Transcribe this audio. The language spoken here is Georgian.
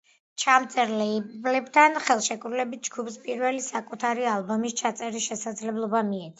ჩამწერ ლეიბლთან ხელშეკრულებით ჯგუფს პირველი საკუთარი ალბომის ჩაწერის შესაძლებლობა მიეცა.